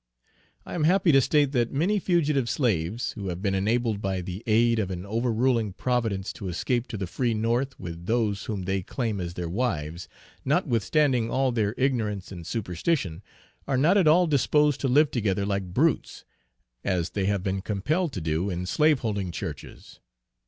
I am happy to state that many fugitive slaves, who have been enabled by the aid of an over ruling providence to escape to the free North with those whom they claim as their wives, notwithstanding all their ignorance and superstition, are not at all disposed to live together like brutes, as they have been compelled to do in slaveholding Churches.